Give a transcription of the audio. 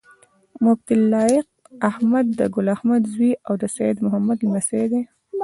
مفتي لائق احمد د ګل احمد زوي او د سيد محمد لمسی دی